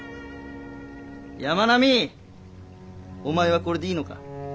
お前はこれでいいのか？